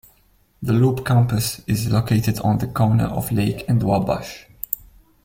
The Loop campus is located on the corner of Lake and Wabash.